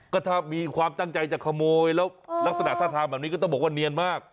ก็ถ้ามีความตั้งใจจะขโมยแล้วลักษณะท่าทางแบบนี้ก็ต้องบอกว่าเนียนมาก